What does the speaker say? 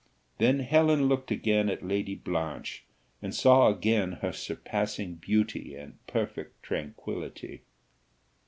Then Helen looked again at Lady Blanche, and saw again her surpassing beauty and perfect tranquillity.